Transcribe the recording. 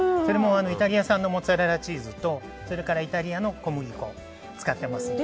イタリア産のモッツァレラチーズとイタリアの小麦粉を使っています。